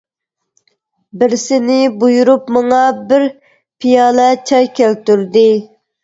بىرسىنى بۇيرۇپ ماڭا بىر پىيالە چاي كەلتۈردى.